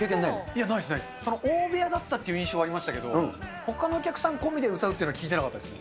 いやないですないです、大部屋だったっていう印象はありましたけど、ほかのお客さん込みで歌うっていうのは、聞いてなかったです。